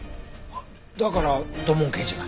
だから土門刑事が。